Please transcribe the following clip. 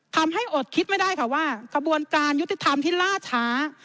อดคิดไม่ได้ค่ะว่ากระบวนการยุติธรรมที่ล่าช้า